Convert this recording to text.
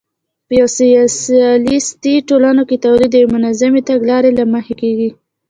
په سوسیالیستي ټولنو کې تولید د یوې منظمې تګلارې له مخې کېږي